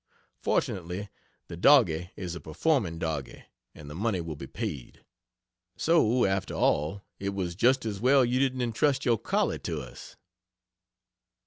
Fortunately the doggie is a performing doggie and the money will be paid. So after all it was just as well you didn't intrust your collie to us.